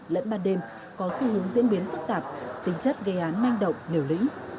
lẫn ban đêm có xu hướng diễn biến phức tạp tính chất gây án manh động liều lĩnh